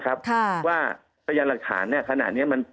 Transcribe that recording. ค่ะค่ะ